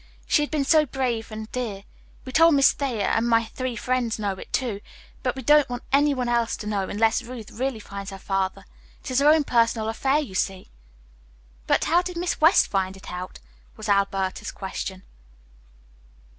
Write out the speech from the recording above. She has been so brave and dear. We told Miss Thayer, and my three friends know it, too, but we don't want any one else to know unless Ruth really finds her father. It is her own personal affair, you see." "But how did Miss West find it out?" was Alberta's question.